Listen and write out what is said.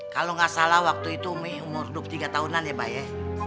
kalo gak salah waktu itu umi umur dua puluh tiga tahunan ya ba ya